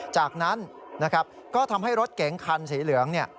จากนั้นนะครับก็ทำให้รถเก๋งคันสีเหลืองเนี่ย